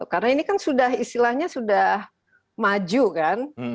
karena ini kan sudah istilahnya sudah maju kan